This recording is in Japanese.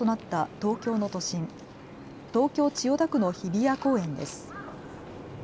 東京千代田区の日比谷公園です。